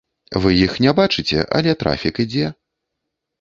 Вы іх не бачыце, але трафік ідзе.